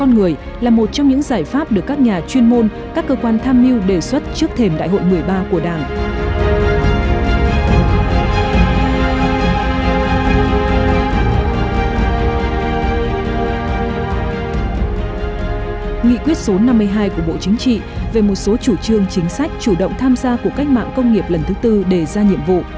nghị quyết số năm mươi hai của bộ chính trị về một số chủ trương chính sách chủ động tham gia của cách mạng công nghiệp lần thứ tư đề ra nhiệm vụ